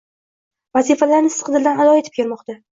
Vazifalarni sidqidildan ado etib kelmoqda.